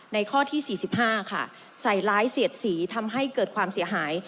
ข้อที่๔๕ค่ะใส่ร้ายเสียดสีทำให้เกิดความเสียหาย